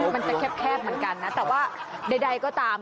มันจะแคบเหมือนกันนะแต่ว่าใดก็ตาม